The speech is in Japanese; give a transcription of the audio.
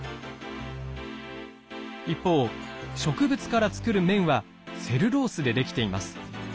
一方植物から作る綿はセルロースでできています。